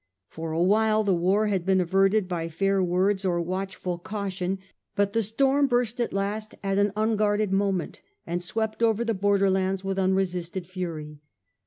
For awhile the wat had been averted by fair words or watchful caution, but the storm burst at last at an unguarded moment, and swept over the border lands with unresisted fury.